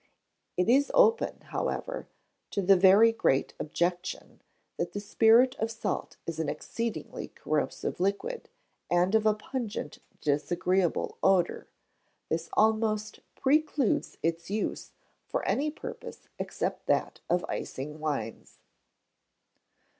It is open, however, to the very great objection, that the spirit of salt is an exceedingly corrosive liquid, and of a pungent, disagreeable odour: this almost precludes its use for any purpose except that of icing wines.